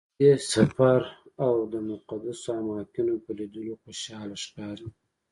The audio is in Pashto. په دې سفر او د مقدسو اماکنو په لیدلو خوشحاله ښکاري.